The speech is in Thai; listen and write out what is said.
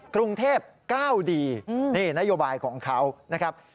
กรุงเทพ๙ดีนี่นโยบายของเขานะครับ